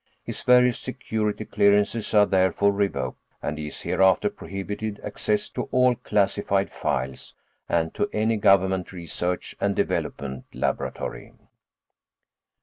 His various security clearances are therefore revoked, and he is hereafter prohibited access to all classified files and to any government research and development laboratory."